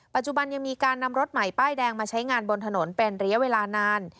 ปัจจุบันยังมีการนำรถใหม่ป้ายแดงมาใช้งานบนถนนเป็นระยะเวลานาน